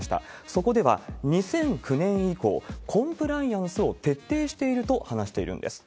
そこでは、２００９年以降、コンプライアンスを徹底していると話しているんです。